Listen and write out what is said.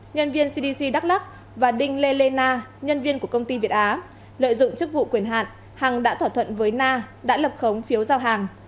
nhân viên cdc đắk lắc và đinh lê lê na nhân viên của công ty việt á lợi dụng chức vụ quyền hạn hằng đã thỏa thuận với na đã lập khống phiếu giao hàng